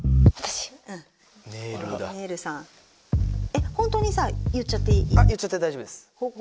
えっホントにさ言っちゃっていい？